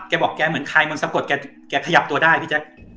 แกบอกแกเหมือนคลายมนต์สะพดแกแกขยับตัวได้พี่แจ๊ค